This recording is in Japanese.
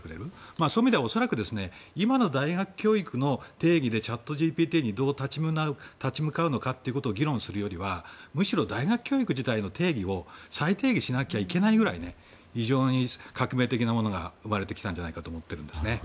そういう意味では今の大学教育の定義でチャットＧＰＴにどう立ち向かうのかを議論するよりむしろ大学教育自体を再定義しなきゃいけないぐらい非常に革命的なものが生まれてきたんじゃないかと思います。